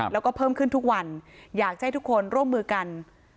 แล้วก็เพิ่มขึ้นทุกวันอยากจะให้ทุกคนร่วมมือกัน